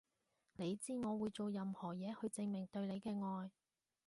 你知我會做任何嘢去證明對你嘅愛